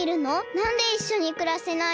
なんでいっしょにくらせないの？